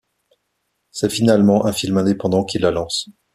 C'est finalement un film indépendant qui la lance.